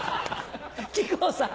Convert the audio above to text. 木久扇さん。